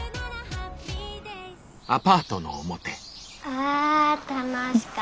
あ楽しかった。